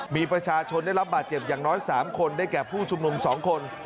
มีประชาชนได้รับบาดเจ็บอย่างน้อย๓คนได้แก่ผู้ชุมนุม๒คน